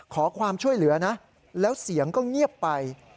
ขอความช่วยเหลือนะแล้วเสียงก็เงียบไป